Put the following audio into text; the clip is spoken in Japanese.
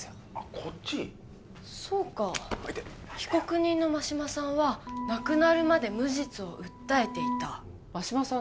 こっちそうか被告人の真島さんは亡くなるまで無実を訴えていた真島さん